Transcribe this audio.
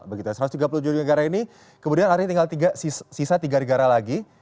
begitu satu ratus tiga puluh tujuh negara ini kemudian akhirnya tinggal sisa tiga negara lagi